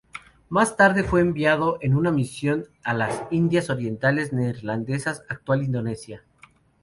Más tarde, fue enviado en una misión a las Indias Orientales Neerlandesas, actual Indonesia.